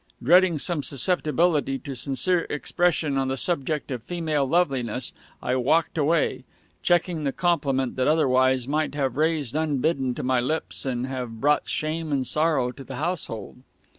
Dreading some susceptibility to sincere expression on the subject of female loveliness, I walked away, checking the compliment that otherwise might have risen unbidden to my lips, and have brought shame and sorrow to the household.